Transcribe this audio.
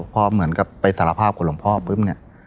พอเหมือนกับไปสารภาพกับหลวงพ่อปุ๊บเนี่ย